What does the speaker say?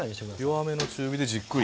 弱めの中火でじっくり。